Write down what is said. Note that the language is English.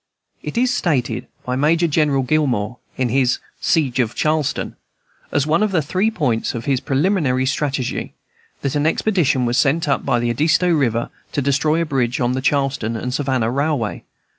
It is stated by Major General Gillmore, in his "Siege of Charleston," as one of the three points in his preliminary strategy, that an expedition was sent up the Edisto River to destroy a bridge on the Charleston and Savannah Railway.